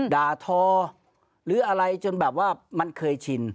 ด่าทอหรืออะไรจนแบบว่ามันเคยชิน